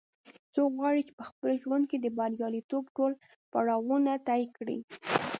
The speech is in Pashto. څوک غواړي چې په خپل ژوند کې د بریالیتوب ټول پړاوونه طې کړي